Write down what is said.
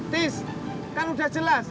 tis kan udah jelas